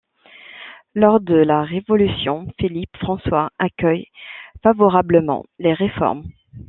Lors de la Révolution, Philippe François accueille favorablement les réformes.